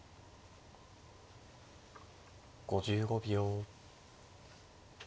５５秒。